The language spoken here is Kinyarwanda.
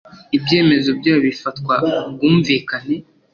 Ibyemezo byayo bifatwa ku bwumvikane